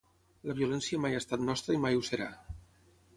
La violència mai ha estat nostra i mai ho serà.